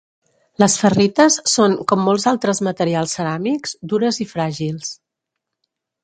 Les ferrites són, com molts altres materials ceràmics, dures i fràgils.